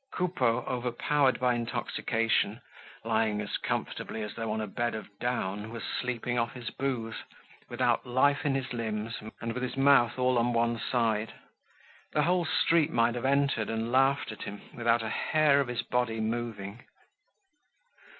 Coupeau, overpowered by intoxication, lying as comfortably as though on a bed of down, was sleeping off his booze, without life in his limbs, and with his mouth all on one side. The whole street might have entered and laughed at him, without a hair of his body moving.